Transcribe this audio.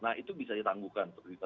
nah itu bisa ditangguhkan